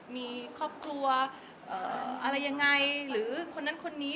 มีครอบครัวอะไรยังไงหรือคนนั้นคนนี้